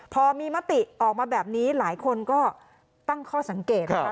พอมีมติออกมาแบบนี้หลายคนก็ตั้งข้อสังเกตนะคะ